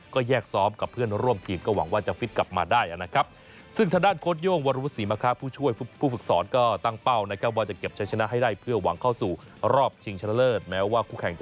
ก็พร้อมครับมีบาดเจ็บก็คืออ่าส่วนแล้วก็เช็กแล้วก็เผลอซึ่งซึ่งกลับครับ